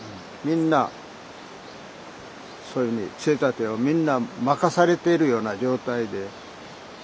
みんなそういうふうに杖立をみんな任されているような状態で。